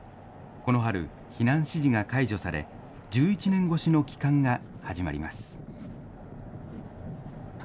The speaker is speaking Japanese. この春、避難指示が解除され、１１年越しの帰還が始まります。